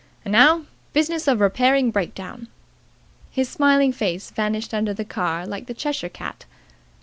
And now, business of repairing breakdown." His smiling face vanished under the car like the Cheshire cat.